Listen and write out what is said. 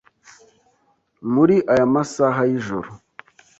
muri aya masaha y’ijoro.